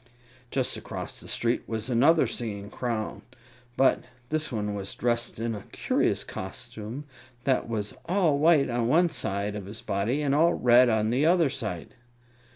Just across the street was another singing Clown; but this one was dressed in a curious costume that was all white on one side of his body and all red on the other side.